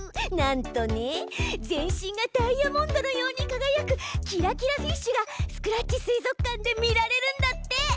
なんとね全身がダイヤモンドのようにかがやくキラキラフィッシュがスクラッチ水族館で見られるんだって！